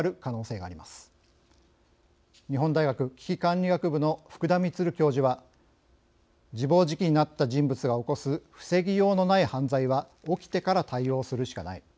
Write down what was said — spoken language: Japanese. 日本大学危機管理学部の福田充教授は「自暴自棄になった人物が起こす防ぎようのない犯罪は起きてから対応するしかない。